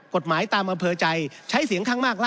กฎหมายตามอำเภอใจ